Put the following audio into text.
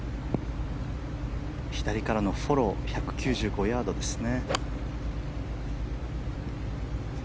左からのフォロー１９５ヤードですね。